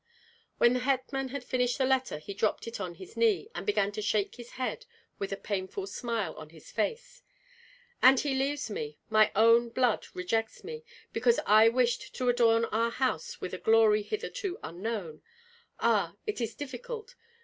When the hetman had finished the letter he dropped it on his knee, and began to shake his head with a painful smile on his face. "And he leaves me, my own blood rejects me, because I wished to adorn our house with a glory hitherto unknown! Ah! it is difficult!